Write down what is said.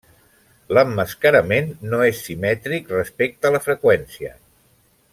L'emmascarament no és simètric respecte la freqüència.